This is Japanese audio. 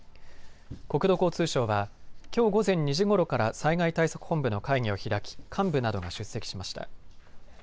国土交通省はきょう午前２時ごろから災害対策本部の会議を開き、幹部などが出席しました。